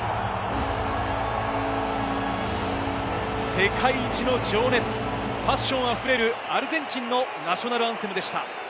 世界一の情熱、パッションあふれる、アルゼンチンのナショナルアンセムでした。